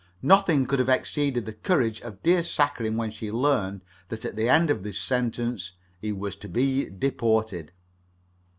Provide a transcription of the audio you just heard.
Nothing could have exceeded the courage of dear Saccharine when she learned that at the end of his sentence he was to be deported.